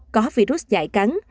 có virus dại cắn